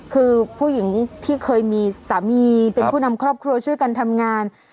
คือผู้หญิงที่เคยมีสามีเป็นผู้นำครอบครัวช่วยกันทำงาน